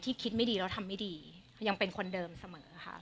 คิดไม่ดีแล้วทำไม่ดียังเป็นคนเดิมเสมอค่ะ